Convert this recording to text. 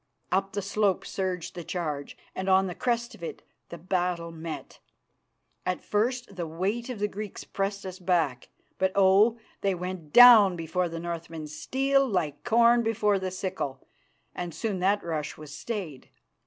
Up the slope surged the charge, and on the crest of it the battle met. At first the weight of the Greeks pressed us back, but, oh! they went down before the Northmen's steel like corn before the sickle, and soon that rush was stayed.